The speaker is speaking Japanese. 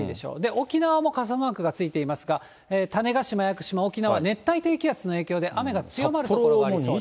沖縄も傘マークがついていますが、種子島、屋久島、沖縄、熱帯低気圧の影響で、雨が強まる所がありそうです。